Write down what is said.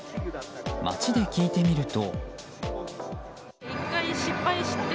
街で聞いてみると。